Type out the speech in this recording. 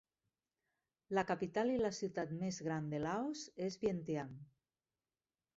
La capital i la ciutat més gran de Laos és Vientiane.